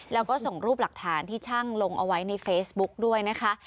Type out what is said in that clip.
แล้วก็ส่งรูปหลักฐานที่ช่างลงเอาไว้ในเฟซบุ๊กด้วยนะคะ